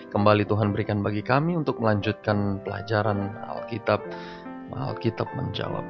kembali tuhan berikan bagi kami untuk melanjutkan pelajaran alkitab menjawab